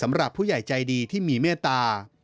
สำหรับผู้ใหญ่ใจดีที่มีเมตตา